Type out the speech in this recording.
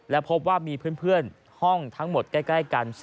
และพบว่ามีเพื่อนห้องทั้งหมดใกล้กัน